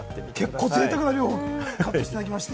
結構ぜいたくな量をカットしていただきました。